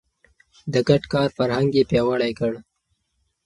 د ګډ کار فرهنګ يې پياوړی کړ.